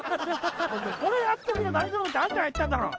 これやっとけば大丈夫ってあんたが言ったんだろ！